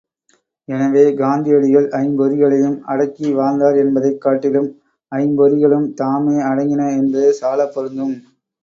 எனவே காந்தியடிகள் ஐம்பொறிகளையும் அடக்கி வாழ்ந்தார் என்பதைக் காட்டிலும், ஐம்பொறிகளும் தாமே அடங்கின என்பது சாலப் பொருந்தும்.